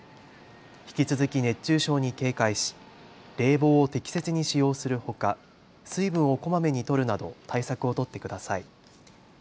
引き続き熱中症に警戒し冷房を適切に使用するほか水分をこまめにとるなど対策を取ってください。